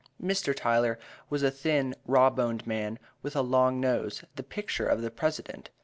"Mr. Tyler was a thin raw boned man, with a long nose, the picture of the president.